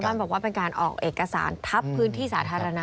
บอกว่าเป็นการออกเอกสารทับพื้นที่สาธารณะ